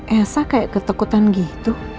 esa kayak ketakutan gitu